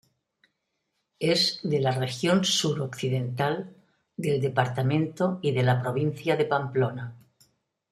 Es de la región sur-occidental del departamento y de la Provincia de Pamplona.